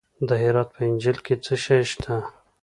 د هرات په انجیل کې څه شی شته؟